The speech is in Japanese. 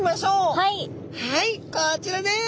はいこちらです！